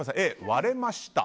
割れました。